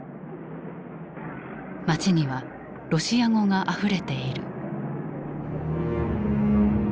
町にはロシア語があふれている。